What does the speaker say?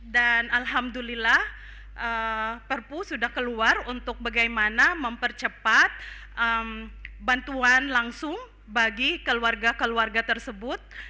dan alhamdulillah perpu sudah keluar untuk bagaimana mempercepat bantuan langsung bagi keluarga keluarga tersebut